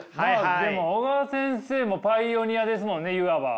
でも小川先生もパイオニアですもんねいわば。